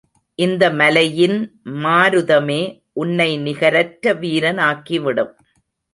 இந்த மலையின் மாருதமே உன்னை நிகரற்ற வீரனாக்கிவிடும்.